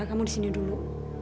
kamu disini dulu